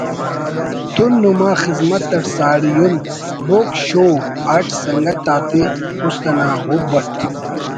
تون نما خذمت اٹ ساڑی اُن ”بوگ شو“ اٹ سنگت آتے است انا ہُب اٹ